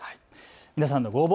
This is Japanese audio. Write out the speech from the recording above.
皆さんのご応募